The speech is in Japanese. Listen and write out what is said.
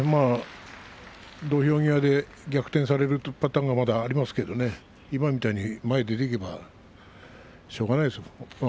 土俵際で逆転される形もまだありますけれども今のように前に出ていけばしょうがないですよ。